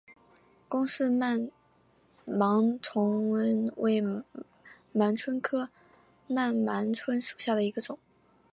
龚氏曼盲蝽为盲蝽科曼盲蝽属下的一个种。